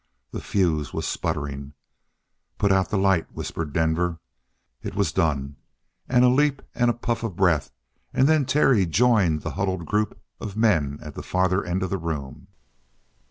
The fuse was sputtering. "Put out the light!" whispered Denver. It was done a leap and a puff of breath, and then Terry had joined the huddled group of men at the farther end of the room.